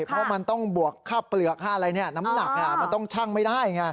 เพราะมันต้องบวกค่าเปลือกค่าอะไรน้ำหนักมันต้องชั่งไม่ได้ไง